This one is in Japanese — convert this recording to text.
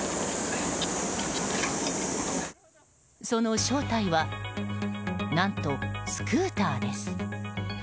その正体は何とスクーターです。